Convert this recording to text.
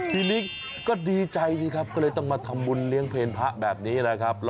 ทีนี้ก็ดีใจสิครับก็เลยต้องมาทำบุญเลี้ยงเพลงพระแบบนี้นะครับ